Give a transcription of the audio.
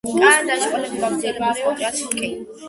კანადაში ყველაზე გავრცელებული სპორტი არის ჰოკეი.